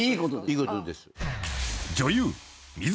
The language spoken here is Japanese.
いいことです。